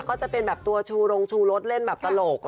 ก็จะเป็นแบบตัวชูรงชูรสเล่นแบบตลก